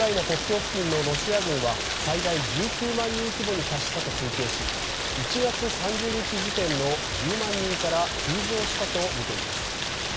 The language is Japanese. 国境付近のロシア軍は、最大１９万人規模に達したと推計し１月３０日時点の１０万人から急増したとみています。